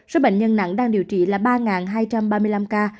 số bệnh nhân nặng đang điều trị là ba hai trăm ba mươi năm ca